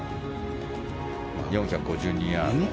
４５２ヤード。